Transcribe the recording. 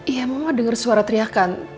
iya mama dengar suara teriakan